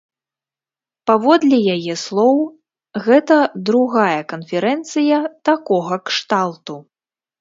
Паводле яе слоў, гэта другая канферэнцыя такога кшталту.